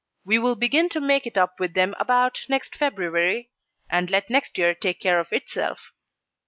We will begin to make it up with them about next February, and let next year take care of itself.